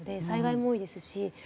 災害も多いですし。